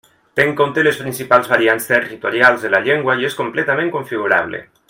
Té en compte les principals variants territorials de la llengua i és completament configurable.